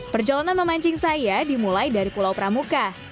perjalanan memancing saya dimulai dari pulau pramuka